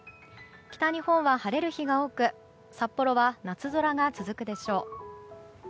北日本は晴れる日が多く札幌は夏空が続くでしょう。